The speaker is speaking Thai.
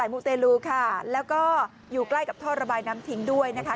มูเตลูค่ะแล้วก็อยู่ใกล้กับท่อระบายน้ำทิ้งด้วยนะคะ